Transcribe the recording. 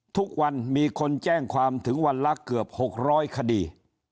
ทุกวันมีคนแจ้งความถึงวันละเกือบ๖๐๐คดี